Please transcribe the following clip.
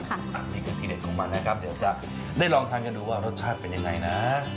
อันนี้ก็ที่เด็ดของมันนะครับเดี๋ยวจะได้ลองทานกันดูว่ารสชาติเป็นยังไงนะ